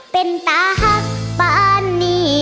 เป็นตาหักบ้านนี้